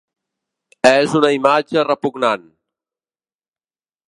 És una imatge repugnant.